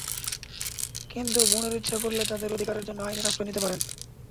কিন্তু বোনেরা ইচ্ছা করলে তাঁদের অধিকারের জন্য আইনের আশ্রয় নিতে পারেন।